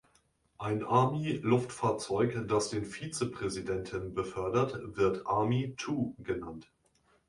Ein Army-Luftfahrzeug, das den Vizepräsidenten befördert, wird Army Two genannt.